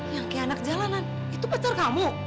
yang kaya anak jalanan itu pacar kamu